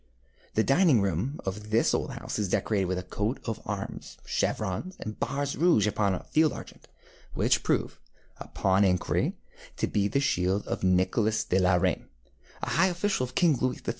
The dining room of this old house is decorated with a coat of arms, chevrons, and bars rouge upon a field argent, which prove, upon inquiry, to be the shield of Nicholas de la Reynie, a high official of King Louis XIV.